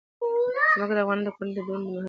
ځمکه د افغان کورنیو د دودونو مهم عنصر دی.